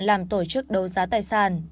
làm tổ chức đấu giá tài sản